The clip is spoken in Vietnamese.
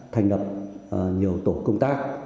thành đập nhiều tổ công tác